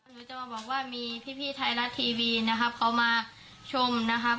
หนูจะมาบอกว่ามีพี่ไทยรัฐทีวีนะครับเขามาชมนะครับ